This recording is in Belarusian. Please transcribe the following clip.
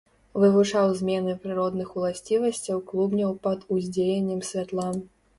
Вывучаў змены прыродных уласцівасцяў клубняў пад уздзеяннем святла.